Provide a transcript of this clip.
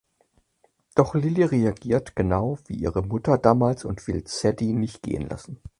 Doch Lily reagiert genau wie ihre Mutter damals und will Sadie nicht gehen lassen.